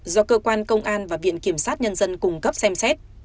do cơ quan công an và viện kiểm sát nhân dân cung cấp xem xét